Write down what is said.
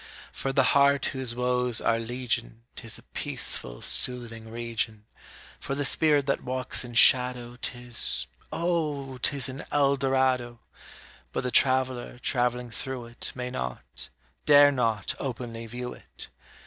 For the heart whose woes are legion 'Tis a peaceful, soothing region For the spirit that walks in shadow 'Tis oh, 'tis an Eldorado! But the traveller, travelling through it, May not dare not openly view it!